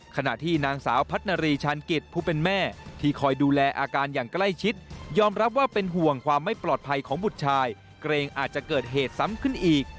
ขณะที่นางสาวพัฒนารีชาญกิจผู้เป็นแม่ที่คอยดูแลอาการอย่างใกล้ชิดยอมรับว่าเป็นห่วงความไม่ปลอดภัยของบุตรชายเกรงอาจจะเกิดเหตุซ้ำขึ้นอีก